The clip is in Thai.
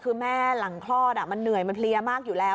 คือแม่หลังคลอดมันเหนื่อยมันเพลียมากอยู่แล้ว